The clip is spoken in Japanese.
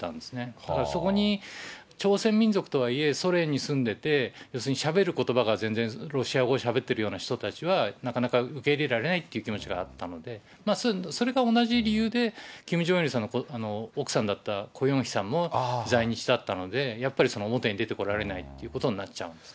だからそこに朝鮮民族とはいえ、ソ連に住んでて、要するにしゃべることばが、全然ロシア語しゃべってるような人たちはなかなか受け入れられないという気持ちがあったので、それが同じ理由で、キム・ジョンイルさんの奥さんだったコ・ヨンヒさんも在日だったので、やっぱり表に出てこられないってことになっちゃうんですね。